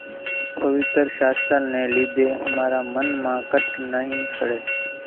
پويتر شاستر ني لِيڌي امارا من مان ڪٽَ نئِي سڙي